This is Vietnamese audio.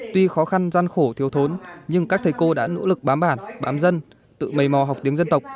tuy khó khăn gian khổ thiếu thốn nhưng các thầy cô đã nỗ lực bám bản bám dân tự mây mò học tiếng dân tộc